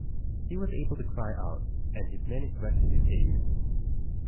He was able to cry out, and his men rushed to his aid.